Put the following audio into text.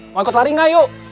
mau ikut lari nggak yuk